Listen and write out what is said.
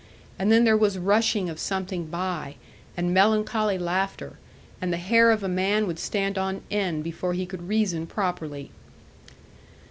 And then there was rushing of something by, and melancholy laughter, and the hair of a man would stand on end before he could reason properly.